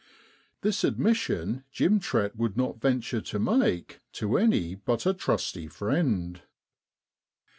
This admission Jem Trett would not venture to make to any but a trusty friend.